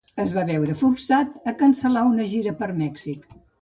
Es va veure forçat a cancel·lar una gira per Mèxic.